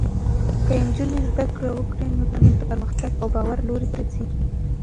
که نجونې زده کړه وکړي، نو ټولنه د پرمختګ او باور لور ته ځي.